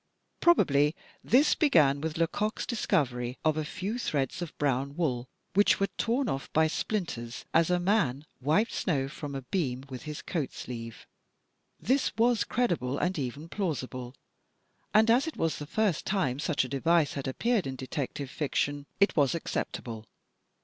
Probably this began with Lecoq's discovery of a few threads of brown wool, which were torn off by splinters, as a man wiped snow from a beam with his coat sleeve. This was credible and even plausible, and as it was the first time such a device had appeared in detective fiction it was acceptable.